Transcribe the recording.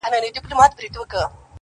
o وخوره او ونغره فرق لري٫